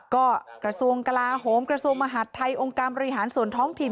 ก็กระทรวงกลาโหมกระทรวงมหาดไทยองค์การบริหารส่วนท้องถิ่น